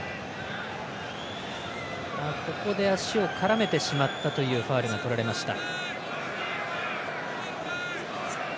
ここで足を絡めてしまったというファウルがとられました。